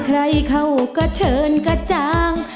ใครเข้าก็เชิญกระจาง